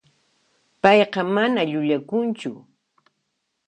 Payqa mana llullakunchu.